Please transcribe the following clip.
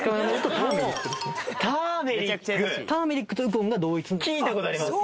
ターメリックターメリックとウコンが同一聞いたことあります